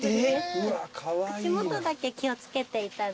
口元だけ気を付けていただいて。